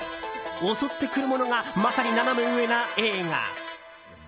襲ってくるものがまさにナナメ上な映画。